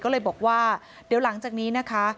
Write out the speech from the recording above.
ก็เลยบอกว่าเดี๋ยวหลังจากนี้นะคะ